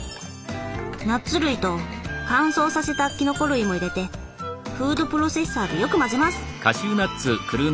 ナッツ類と乾燥させたきのこ類も入れてフードプロセッサーでよく混ぜます。